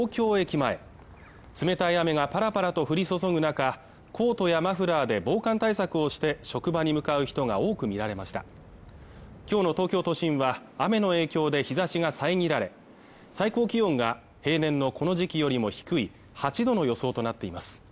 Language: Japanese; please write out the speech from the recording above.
前冷たい雨がぱらぱらと降り注ぐ中コートやマフラーで防寒対策をして職場に向かう人が多く見られました今日の東京都心は雨の影響で日差しが遮られ最高気温が平年のこの時期よりも低い８度の予想となっています